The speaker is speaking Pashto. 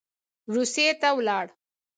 روسیې ته ولاړ.